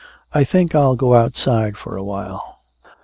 I think I'll go outside for a while."